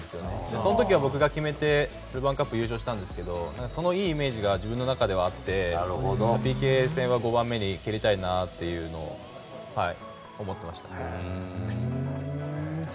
その時は僕が決めてルヴァンカップ優勝したんですけどそのいいイメージが自分の中ではあってＰＫ戦は５番目に蹴りたいなと思っていました。